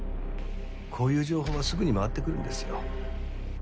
こういう情報はすぐに回ってくるんですよ。